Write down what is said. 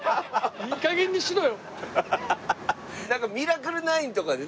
いい加減にしろよ。